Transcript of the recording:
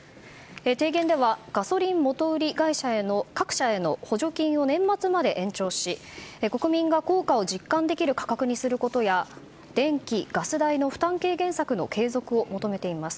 提言ではガソリン元売り各社への補助金を年末まで延長し国民が効果を実感できる価格にすることや電気・ガス代の負担軽減策の継続を求めています。